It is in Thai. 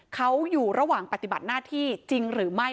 เขาอยู่ระหว่างปฏิบัติหน้าที่จริงหรือไม่